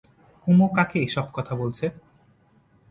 কুমু কাকে এ-সব কথা বলছে?